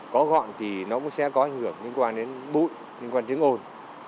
có gọn thì nó cũng sẽ có ảnh hưởng liên quan đến bụi liên quan đến ồn